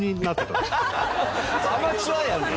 アマチュアやんか！